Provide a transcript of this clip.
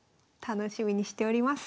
楽しみにしております。